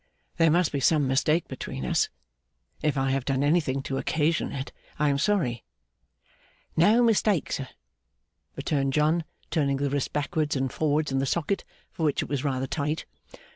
There must be some mistake between us. If I have done anything to occasion it I am sorry.' 'No mistake, sir,' returned John, turning the wrist backwards and forwards in the socket, for which it was rather tight.